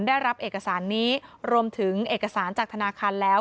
ได้รับเอกสารนี้รวมถึงเอกสารจากธนาคารแล้ว